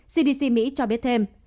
cdc mỹ cho biết thêm